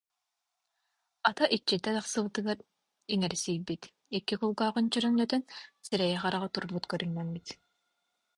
Ата иччитэ тахсыбытыгар иҥэрсийбит, икки кулгааҕын чөрөҥнөтөн, сирэйэ-хараҕа турбут көрүҥнэммит